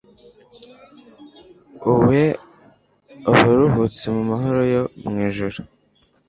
o'er abaruhutse mumahoro yo mwijuru